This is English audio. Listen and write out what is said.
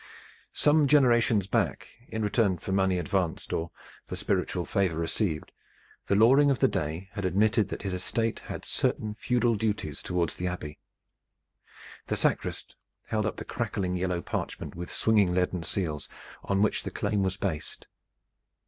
Some generations back in return for money advanced or for spiritual favor received the Loring of the day had admitted that his estate had certain feudal duties toward the Abbey. The sacrist held up the crackling yellow parchment with swinging leaden seals on which the claim was based.